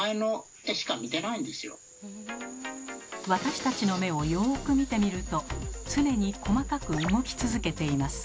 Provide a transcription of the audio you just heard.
私たちの目をよく見てみると常に細かく動き続けています。